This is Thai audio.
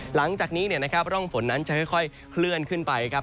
หลังจากนี้นะครับร่องฝนนั้นจะค่อยเคลื่อนขึ้นไปครับ